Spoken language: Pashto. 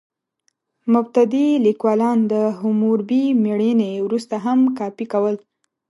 مبتدي لیکوالان د حموربي مړینې وروسته هم کاپي کول.